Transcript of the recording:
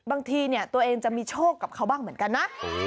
บางทีเนี่ยตัวเองจะมีโชคกับเขาบ้างเหมือนกันนะ